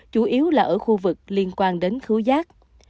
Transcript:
chủ yếu là ở khu vực liên quan đến khứ giác